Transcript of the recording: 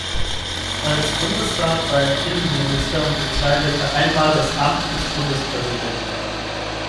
Als Bundesrat war er Innenminister und bekleidete einmal das Amt des Bundespräsidenten.